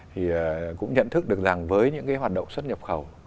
thì cũng nhận thức được rằng với những cái hoạt động xuất nhập khẩu